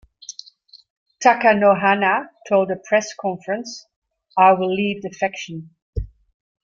Takanohana told a press conference, I will leave the faction.